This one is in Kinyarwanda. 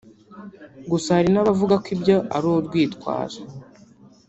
Gusa hari n’abavuga ko ibyo ari urwitwazo